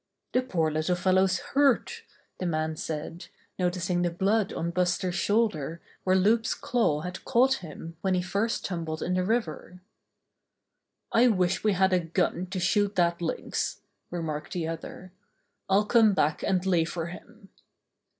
''The poor little fellow's hurt," the man said, noticing the blood on Buster's shoulder where Loup's claw had caught him when he first tumbled in the river. "I wish we had a gun to shoot that Lynx," remarked the other. "I'll come back and lay for him."